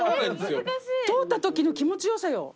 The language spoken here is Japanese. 通ったときの気持ちよさよ。